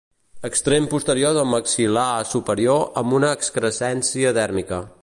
Extrem posterior del maxil·lar superior amb una excrescència dèrmica.